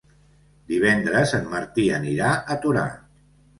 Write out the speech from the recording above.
Divendres en Martí anirà a Torà.